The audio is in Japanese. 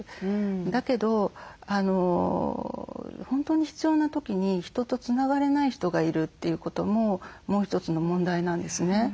だけど本当に必要な時に人とつながれない人がいるということももう一つの問題なんですね。